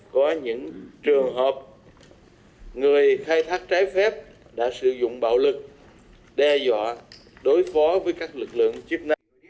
có những trường hợp người khai thác trái phép đã sử dụng bạo lực đe dọa đối phó với các lực lượng chức năng